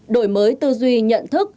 đổi mới tư duy nhận thức